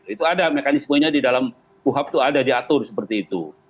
itu ada mekanismenya di dalam kuhap itu ada diatur seperti itu